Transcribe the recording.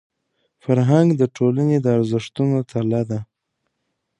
فرهنګ د ټولني د ارزښتونو تله ده.